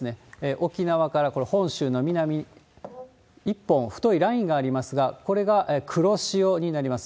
沖縄から本州の南、１本太いラインがありますが、これが黒潮になります。